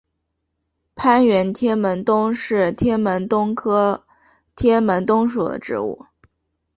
攀援天门冬是天门冬科天门冬属的植物。